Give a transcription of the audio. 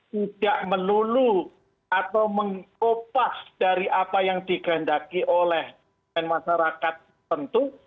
tidak melulu atau mengkopas dari apa yang dikehendaki oleh masyarakat tentu